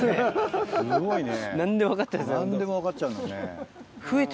何でも分かっちゃうもんね。